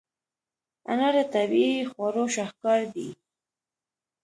انار د طبیعي خواړو شاهکار دی.